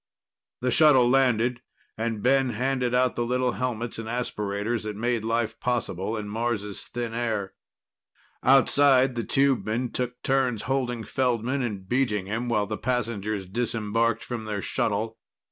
The shuttle landed and Ben handed out the little helmets and aspirators that made life possible in Mars' thin air. Outside, the tubemen took turns holding Feldman and beating him while the passengers disembarked from their shuttle.